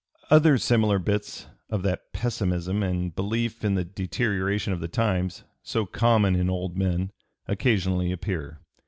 Other similar bits of that pessimism and belief in the deterioration of the times, so common in old men, occasionally appear.